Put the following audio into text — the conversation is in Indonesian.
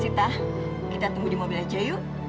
kita tunggu di mobil aja yuk